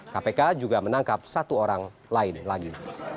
kpk juga menangkap satu orang lain lagi